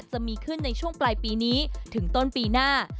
จะมีขึ้นในช่วงปลายปีนี้ถึงต้นปีหน้า